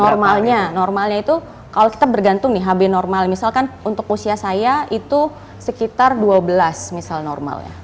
normalnya normalnya itu kalau kita bergantung nih hb normal misalkan untuk usia saya itu sekitar dua belas misal normal ya